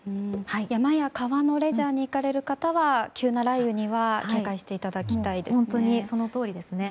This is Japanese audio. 山や川のレジャーに行かれる方は急な雷雨には警戒していただきたいですね。